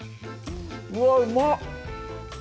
うわうまっ！